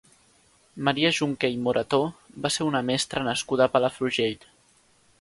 Maria Junqué i Morató va ser una mestra nascuda a Palafrugell.